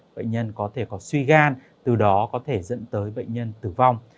bệnh nhân có thể có suy gan từ đó có thể dẫn tới bệnh nhân tử vong